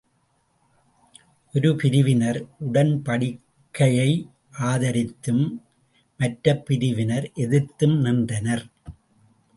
ஒரு பிரிவினர் உடன்படிக்கையை ஆதரித்தும், மற்றப் பிரிவினர் எதிர்த்தும் நின்றனர்.